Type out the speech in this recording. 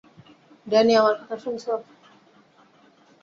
Danny, আমার কথা শুনছো?